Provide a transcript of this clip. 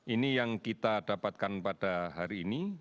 ini yang kita dapatkan pada hari ini